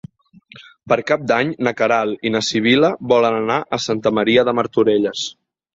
Per Cap d'Any na Queralt i na Sibil·la volen anar a Santa Maria de Martorelles.